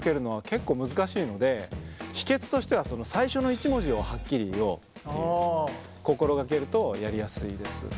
結構難しいので秘けつとしては最初の１文字をはっきり言おうって心がけるとやりやすいです。